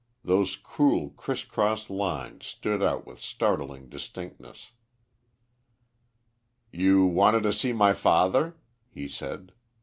Those cruel criss cross lines stood out with startling distinctness. "You wanted to see my father?" he said.